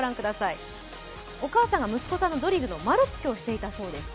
お母さんが息子さんのドリルの丸つけをしていたそうです。